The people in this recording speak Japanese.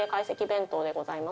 弁当でございます。